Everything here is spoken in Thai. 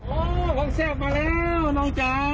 โอ้ความเสียบมาแล้วน้องจ๋า